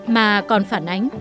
mà còn phản ánh